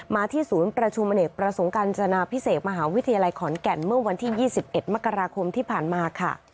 ที่ศูนย์ประชุมอเนกประสงค์การจนาพิเศษมหาวิทยาลัยขอนแก่นเมื่อวันที่๒๑มกราคมที่ผ่านมาค่ะ